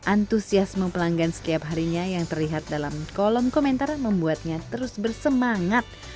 antusiasme pelanggan setiap harinya yang terlihat dalam kolom komentar membuatnya terus bersemangat